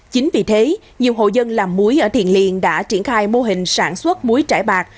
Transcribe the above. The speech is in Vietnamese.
chính vì thế nhiều hộ dân làm muối ở thiền liền đã triển khai mô hình sản xuất muối trải bạc